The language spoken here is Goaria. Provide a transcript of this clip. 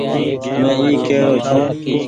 مين اي ڪي رو ڇو۔